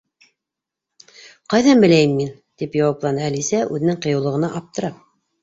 —Ҡайҙан беләйем мин, —тип яуапланы Әлисә, үҙенең ҡыйыулығына аптырап.